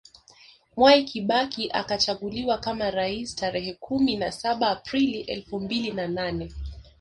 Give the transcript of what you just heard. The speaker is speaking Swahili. Mwai Kibaki akachaguliwa kama rais Tarehe kumi na saba Aprili elfu mbili na nane